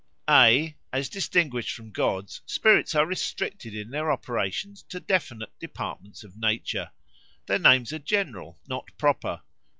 (a) As distinguished from gods, spirits are restricted in their operations to definite departments of nature. Their names are general, not proper.